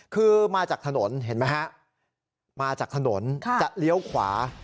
คือมาจากถนนเห็นไหมฮะมาจากถนนจะเลี้ยวขวา